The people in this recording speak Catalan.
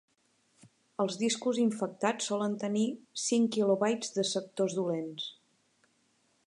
Els discos infectats solen tenir cinc quilobytes de sectors dolents.